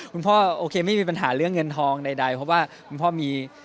คุณพ่อโอเคไม่มีปัญหาเรื่องเงินทองใด